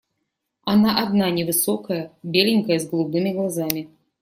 Она одна невысокая, беленькая, с голубыми глазами.